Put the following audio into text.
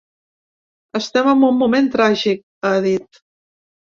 Estem en un moment tràgic, ha dit.